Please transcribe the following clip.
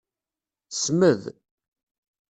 Smed.